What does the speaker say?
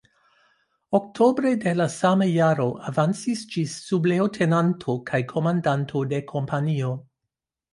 Oktobre de la sama jaro avancis ĝis subleŭtenanto kaj komandanto de kompanio.